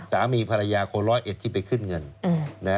สามีภรรยาโคลอทเอสที่ไปขึ้นเงิน